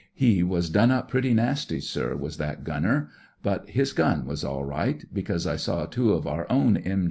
He was done up pretty nasty, sir, was that gunner. But his gun was all right, because I saw two of our own M.